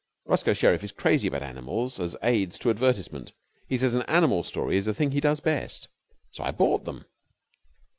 Roscoe Sherriff is crazy about animals as aids to advertisement. He says an animal story is the thing he does best. So I bought them.